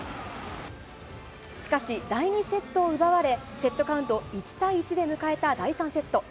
しかし第２セットを奪われ、セットカウント１対１で迎えた第３セット。